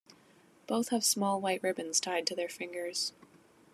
Both have small white ribbons tied to their fingers.